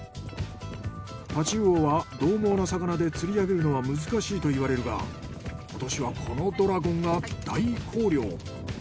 太刀魚は獰猛な魚で釣り上げるのは難しいといわれるが今年はこのドラゴンが大豊漁。